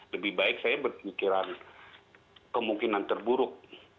lebih baik saya berpikiran kemungkinan terburuk